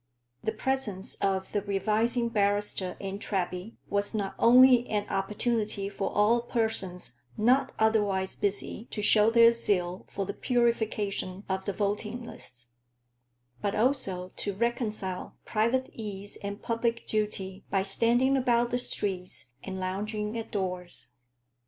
The presence of the Revising Barrister in Treby was not only an opportunity for all persons not otherwise busy to show their zeal for the purification of the voting lists, but also to reconcile private ease and public duty by standing about the streets and lounging at doors.